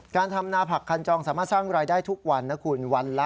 การทำนาผักคันจองสามารถสร้างรายได้ทุกวันนะคุณวันละ